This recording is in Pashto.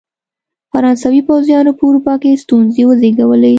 فرانسوي پوځیانو په اروپا کې ستونزې وزېږولې.